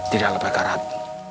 tidak lebat karat